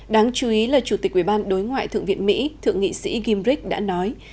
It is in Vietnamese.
đáng chú ý là chủ tịch quy bàn đối ngoại thượng viện mỹ thượng nghị sĩ gimbrich đã nói